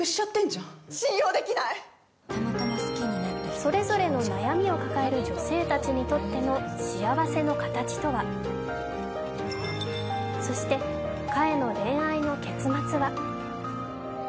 それぞれの悩みを抱える女性たちにとっての幸せの形とはそして、かえの恋愛の結末は？